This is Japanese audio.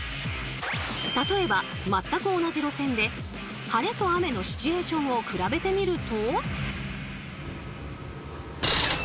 例えば全く同じ路線で晴れと雨のシチュエーションを比べてみると。